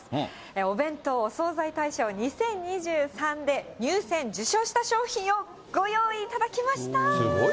お弁当・お惣菜大賞２０２３で、入選、受賞した商品をご用意いただきました。